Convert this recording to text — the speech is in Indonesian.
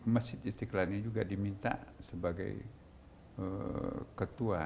masjid istiqlalnya juga diminta sebagai ketua